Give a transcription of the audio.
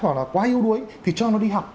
hoặc là quá yêu đuối thì cho nó đi học